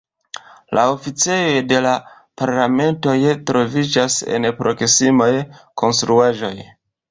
La oficejoj de la parlamentanoj troviĝas en proksimaj konstruaĵoj.